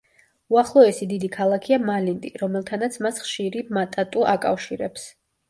უახლოესი დიდი ქალაქია მალინდი, რომელთანაც მას ხშირი მატატუ აკავშირებს.